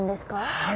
はい。